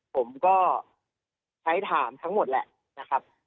ผมก็ใช้ถามทั้งหมดแหละนะครับ